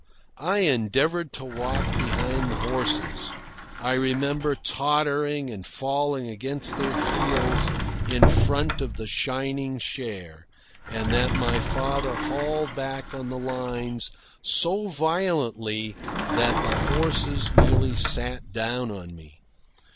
I endeavoured to walk beside the horses. I remember tottering and falling against their heels in front of the shining share, and that my father hauled back on the lines so violently that the horses nearly sat down on me.